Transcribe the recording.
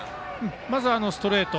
まずストレート